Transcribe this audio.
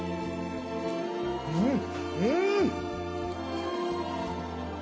うんうん！